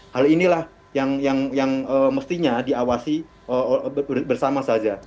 hal inilah yang mestinya diawasi bersama saja